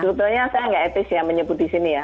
sebenarnya saya tidak etis ya menyebut di sini ya